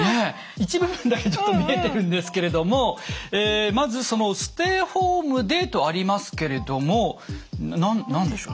一部分だけちょっと見えてるんですけれどもまずその「ステイホームで」とありますけれども何でしょう？